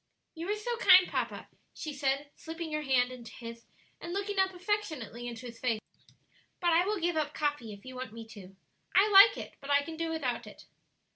"You are so kind, papa," she said, slipping her hand into his and looking up affectionately into his face. "But I will give up coffee if you want me to. I like it, but I can do without it."